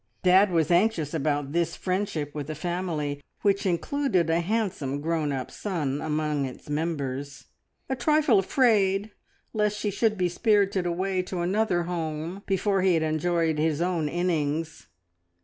Dad was anxious about this friendship with a family which included a handsome grown up son among its members; a trifle afraid lest she should be spirited away to another home before he had enjoyed his own innings.